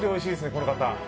この方。